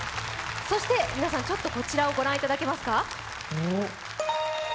そしてこちらをご覧いただけますか。